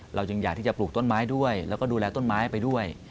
เราจึงอยากที่จะปลูกต้นไม้ด้วยแล้วก็ดูแลต้นไม้ไปด้วย